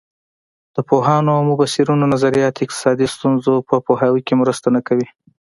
د پوهانو او مبصرینو نظریات اقتصادي ستونزو په پوهاوي کې مرسته نه کوي.